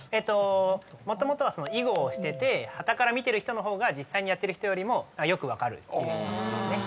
もともとは囲碁をしてて傍から見てる人の方が実際にやってる人よりもよく分かるっていう。